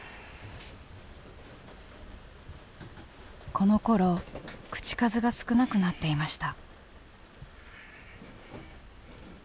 このころ口数が少なくなっていました。